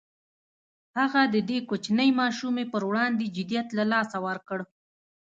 هغه د دې کوچنۍ ماشومې پر وړاندې جديت له لاسه ورکړ.